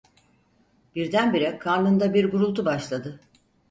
Birdenbire karnında bir gurultu başladı.